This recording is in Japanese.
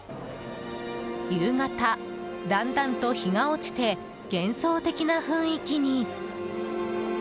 夕方、だんだんと日が落ちて幻想的な雰囲気に。